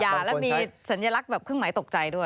แล้วมีสัญลักษณ์แบบเครื่องหมายตกใจด้วย